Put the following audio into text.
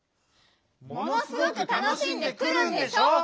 「ものすごくたのしんでくる」んでしょ！